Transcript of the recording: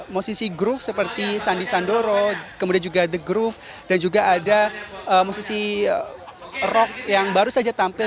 musisi group seperti sandi sandoro kemudian juga the groove dan juga ada musisi rock yang baru saja tampil